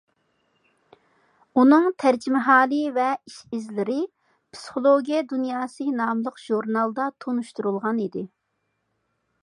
ئۇنىڭ تەرجىمىھالى ۋە ئىش-ئىزلىرى «پسىخولوگىيە دۇنياسى» ناملىق ژۇرنالدا تونۇشتۇرۇلغان ئىدى.